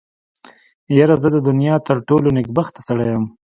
يره زه د دونيا تر ټولو نېکبخته سړی يم.